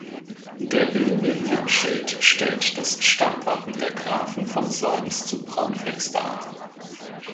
Der Löwe im Herzschild stellt das Stammwappen der Grafen von Solms zu Braunfels dar.